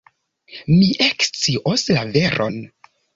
Mi ekscios la veron.